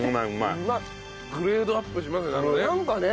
グレードアップしますね。